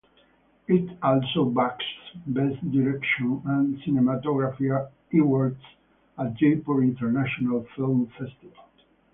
It also bags Best Direction and Cinematography Awards at Jaipur International Film Festival.